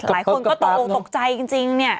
หลายคนก็ตกออกตกใจจริงเนี่ย